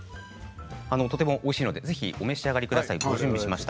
とてもおいしいのでお召し上がりください。